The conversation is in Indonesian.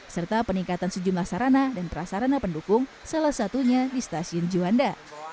serta peningkatan sejumlah sarana dan prasarana pendukung salah satunya di stasiun juanda